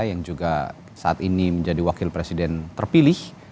yang juga saat ini menjadi wakil presiden terpilih